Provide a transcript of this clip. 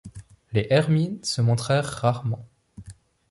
Les hermines se montrèrent rarement.